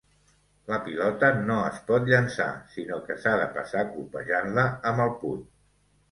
La pilota no es pot llençar, sinó que s'ha de passar colpejant-la amb el puny.